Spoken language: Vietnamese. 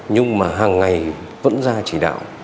nhưng mà hàng ngày vẫn ra chỉ đạo